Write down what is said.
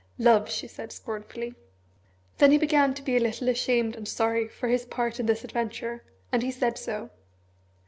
"Love!" she said scornfully. Then he began to be a little ashamed and sorry for his part in this adventure, and he said so.